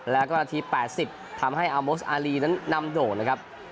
แล้วก็นาที๘๐ทำให้อาโมสอารีนั้นนำโด่งนะครับ